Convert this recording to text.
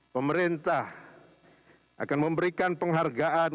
pemerintah akan memberikan penghargaan